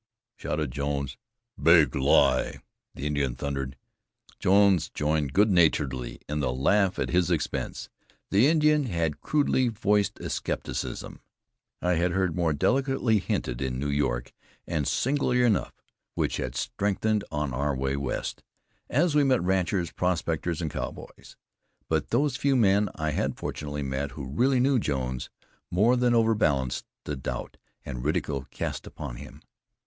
shouted Jones. "BIG LIE!" the Indian thundered. Jones joined good naturedly in the laugh at his expense. The Indian had crudely voiced a skepticism I had heard more delicately hinted in New York, and singularly enough, which had strengthened on our way West, as we met ranchers, prospectors and cowboys. But those few men I had fortunately met, who really knew Jones, more than overbalanced the doubt and ridicule cast upon him.